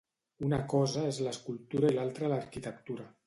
Una cosa és l'escultura i l'altra l'arquitectura.